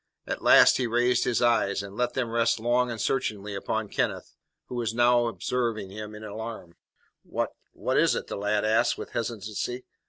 At last he raised his eyes, and let them rest long and searchingly upon Kenneth, who now observed him in alarm. "What what is it?" the lad asked, with hesitancy.